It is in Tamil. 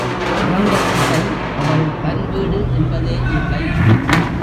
பிறந்த வீட்டை அவள் தன் வீடு என்பதே இல்லை.